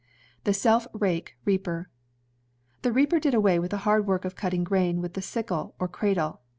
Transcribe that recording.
The Self rake Reaper The reaper did away with the hard work of cutting grain with the sickle or cradle.